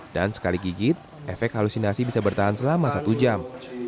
dan sekali gigit efek halusinasi bisa bertahan selama satu jam